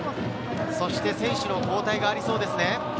そして選手の交代がありそうですね。